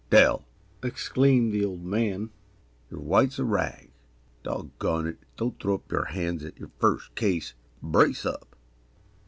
"Dell!" exclaimed the Old Man, "you're white's a rag. Doggone it, don't throw up yer hands at yer first case brace up!"